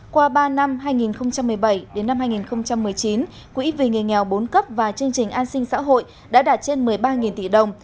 qua ba năm hai nghìn một mươi bảy hai nghìn một mươi chín quỹ vì người nghèo bốn cấp và chương trình an sinh xã hội đã đạt trên một mươi ba tỷ đồng